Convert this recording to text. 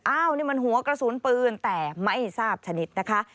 อ้าวนี่มันหัวกระสุนปืนแต่ไม่ทราบชนิดนะคะ